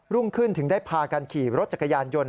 รุ่งขึ้นถึงได้พากันขี่รถจักรยานยนต์